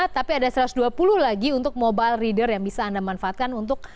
tapi ada satu ratus dua puluh lagi untuk mobile reader yang bisa anda manfaatkan untuk